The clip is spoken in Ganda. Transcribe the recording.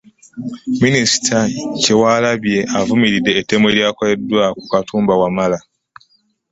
Minisita Kyewalabye avumiridde ettemu eryakoleddwa ku Katumba Wamala